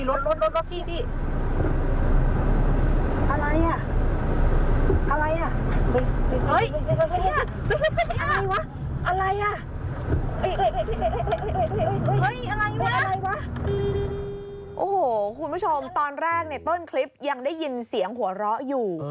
โอ้โหคุณผู้ชมตอนแรกในต้นคลิปยังได้ยินเสียงหัวเราะอยู่